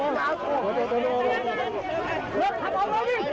เอาได้รถ